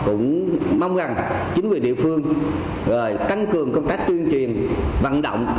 cũng mong rằng chính quyền địa phương tăng cường công tác tuyên truyền vận động